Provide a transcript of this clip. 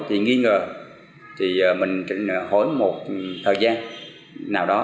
thì nghi ngờ thì mình hỏi một thời gian nào đó